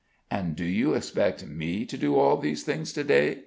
'" "And do you expect me to do all these things to day?"